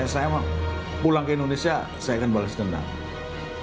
saya pulang ke indonesia saya akan balik segenap